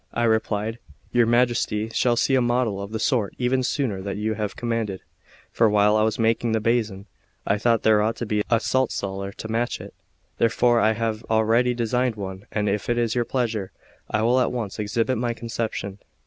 I replied: "Your Majesty shall see a model of the sort even sooner than you have commanded; for while I was making the basin, I thought there ought to be a saltcellar to match it; therefore I have already designed one, and if it is your pleasure, I will at once exhibit my conception."